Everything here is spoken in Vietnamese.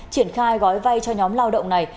triển khai gói vay cho nhóm lao động này